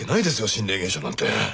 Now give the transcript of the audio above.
心霊現象なんて。